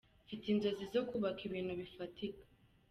Mfite inzozi zo kubaka ibintu bifatika.